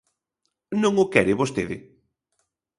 Non o quere vostede?